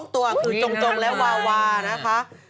๒ตัวคือจงและวานะครับ